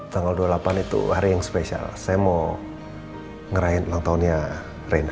tanggal dua puluh delapan itu hari yang spesial saya mau ngerahin ulang tahunnya rena